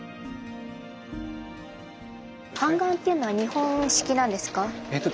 半眼っていうのは日本式なんですか？